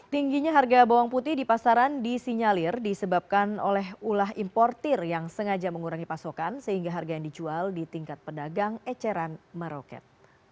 tingginya harga bawang putih di pasaran disinyalir disebabkan oleh ulah importir yang sengaja mengurangi pasokan sehingga harga yang dijual di tingkat pedagang eceran meroket